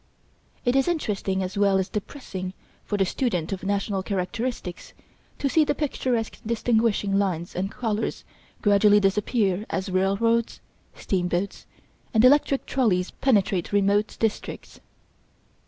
It is interesting as well as depressing for the student of national characteristics to see the picturesque distinguishing lines and colours gradually disappear as railroads, steamboats and electric trolleys penetrate remote districts.